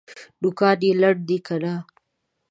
نوکان یې لنډ دي که نه؟